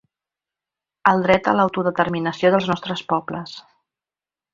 El dret a l’autodeterminació dels nostres pobles.